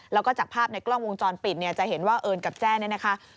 แล้วก็จากภาพในกล้องวงจรปิดเนี่ยจะเห็นว่าเอิญกับแจ้เนี่ยนะคะ